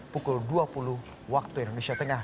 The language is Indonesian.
pukul dua puluh waktu indonesia tengah